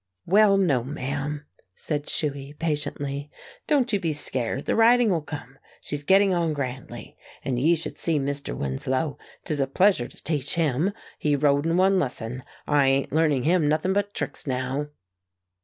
"Well, no, ma'am," said Shuey, patiently. "Don't you be scared; the riding will come; she's getting on grandly. And ye should see Mr. Winslow. 'Tis a pleasure to teach him. He rode in one lesson. I ain't learning him nothing but tricks now."